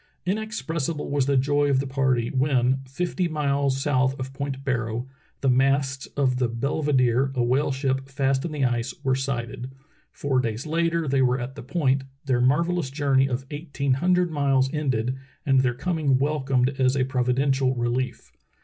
Inexpressible was the joy of the party when, fifty miles south of Point Barrow, the masts of the Belvederey a whale ship fast in the ice, were sighted. Four days later they were at the point, their marvellous journey of eighteen hundred miles ended and their coming wel comed as a providential relief.